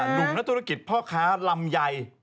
หนุ่มนักธุรกิจพ่อค้าลำไย